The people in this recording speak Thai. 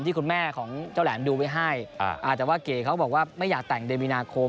ที่คุณแม่ของเจ้าแหลมดูไว้ให้แต่ว่าเก๋เขาบอกว่าไม่อยากแต่งเดือนมีนาคม